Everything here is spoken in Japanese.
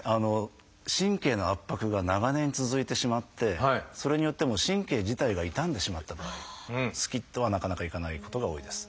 神経の圧迫が長年続いてしまってそれによってもう神経自体が傷んでしまった場合スキッとはなかなかいかないことが多いです。